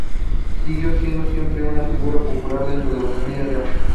Siguió siendo siempre una figura popular dentro de la familia real.